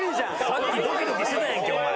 さっきドキドキしてたやんけお前。